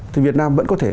thì việt nam vẫn có thể